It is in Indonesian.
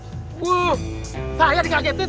wuh saya dikagetin